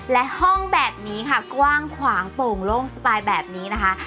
และห้องแบบนี้ค่ะกว้างขวางโป่งโล่งสไตล์แบบนี้นะคะ